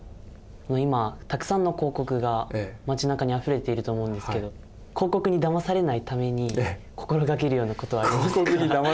今たくさんの広告が街なかにあふれていると思うんですけど広告にだまされないために心がけるような事はありますか？